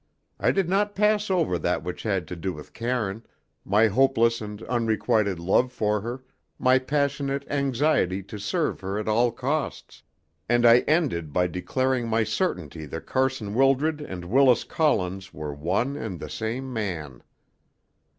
I did not pass over that which had to do with Karine, my hopeless and unrequited love for her, my passionate anxiety to serve her at all costs; and I ended by declaring my certainty that Carson Wildred and Willis Collins were one and the same man.